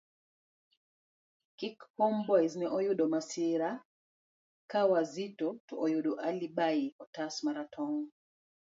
kk Homeboyz ne oyudo masira ka Wazito to oyudo Ali bhai otas maratong'